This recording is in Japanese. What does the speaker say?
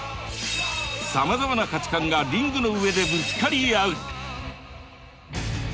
さまざまな価値観がリングの上でぶつかり合う！